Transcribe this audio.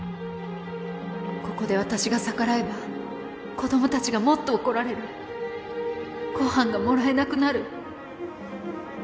ここで私が逆らえば、子供たちがもっと怒られる、ごはんがもらえなくなる。